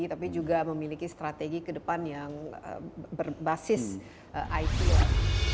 tapi juga memiliki strategi ke depan yang berbasis itu